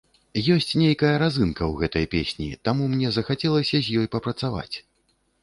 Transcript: Ёсць нейкая разынка ў гэтай песні, таму мне захацелася з ёй папрацаваць.